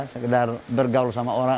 sekedar bergaul sama orang